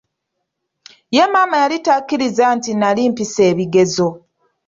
Ye Maama yali takiriza nti nali mpise ebigezo.